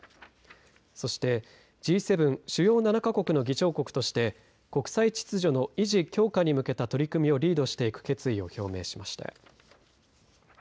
そしてＧ７主要７か国の議長国として国際秩序の維持、強化に向けた取り組みをリードしていく決意を表明しました。